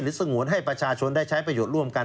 สงวนให้ประชาชนได้ใช้ประโยชน์ร่วมกัน